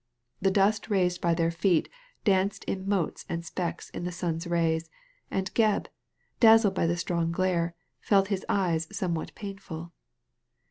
The dust raised by their feet danced in motes and specs in the sun's rajrs, and Gebb, dazzled by the strong glare, felt his eyes somewhat painful.